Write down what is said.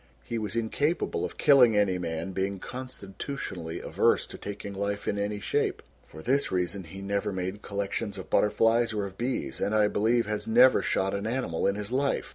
He was incapable of killing any man, being constitutionally averse to taking life in any shape. For this reason he never made collections of butterflies or of bees, and I believe has never shot an animal in his life.